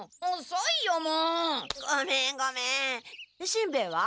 しんべヱは？